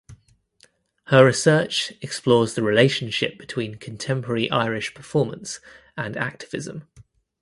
Her research explores the relationship between contemporary Irish performance and activism.